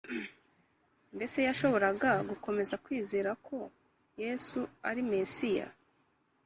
mbese yashoboraga gukomeza kwizera ko yesu ari mesiya?